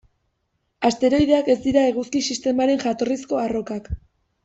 Asteroideak ez dira Eguzki-sistemaren jatorrizko arrokak.